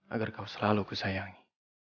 agar kau selalu kusayangi